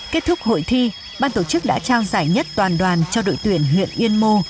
kết thúc hội thi ban tổ chức đã trao giải nhất toàn đoàn cho đội tuyển huyện yên mô